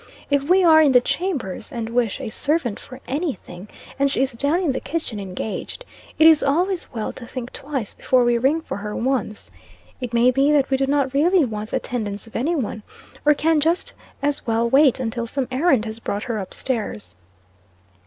If we are in the chambers, and wish a servant for any thing, and she is down in the kitchen engaged, it is always well to think twice before we ring for her once. It may be, that we do not really want the attendance of any one, or can just as well wait until some errand has brought her up stairs.